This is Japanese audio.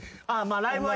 あライブは。